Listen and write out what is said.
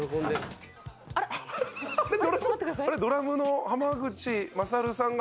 ・あら？ドラムの濱口優さんが。